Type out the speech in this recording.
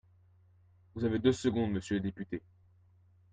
Vous avez deux secondes, monsieur le député.